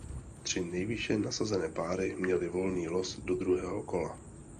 Tři nejvýše nasazené páry měly volný los do druhého kola.